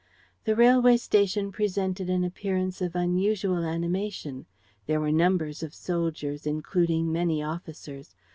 The railway station presented an appearance of unusual animation. There were numbers of soldiers, including many officers.